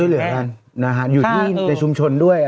ด้วยเหลือกันอยู่ด้านนี้ในชุมชนด้วย